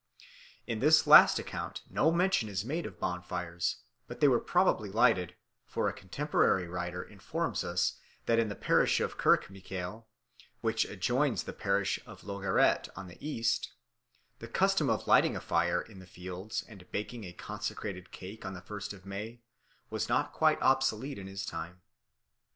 In this last account no mention is made of bonfires, but they were probably lighted, for a contemporary writer informs us that in the parish of Kirkmichael, which adjoins the parish of Logierait on the east, the custom of lighting a fire in the fields and baking a consecrated cake on the first of May was not quite obsolete in his time.